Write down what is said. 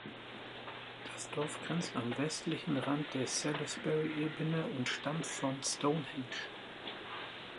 Das Dorf grenzt am westlichen Rand der Salisbury Ebene und stammt von Stonehenge.